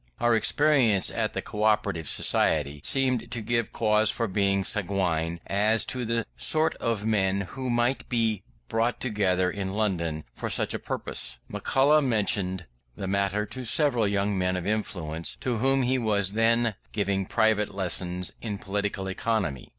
Our experience at the Co operative Society seemed to give cause for being sanguine as to the sort of men who might be brought together in London for such a purpose. McCulloch mentioned the matter to several young men of influence, to whom he was then giving private lessons in political economy.